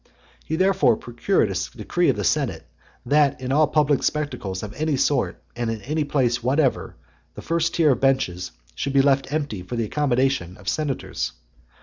He therefore procured a decree of the senate, that in all public spectacles of any sort, and in any place whatever, the first tier of benches should be left empty for the accommodation of senators.